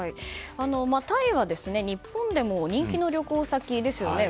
タイは日本でも人気の旅行先ですよね。